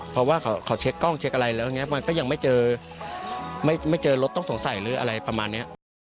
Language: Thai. เพราะว่าเขาเช็คกล้องเช็คอะไรแล้วอย่างนี้มันก็ยังไม่เจอไม่เจอรถต้องสงสัยหรืออะไรประมาณนี้